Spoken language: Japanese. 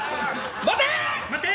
待て！